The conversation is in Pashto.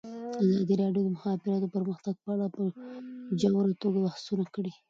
ازادي راډیو د د مخابراتو پرمختګ په اړه په ژوره توګه بحثونه کړي.